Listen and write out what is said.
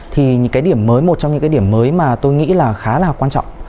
thì một trong những điểm mới mà tôi nghĩ là khá là quan trọng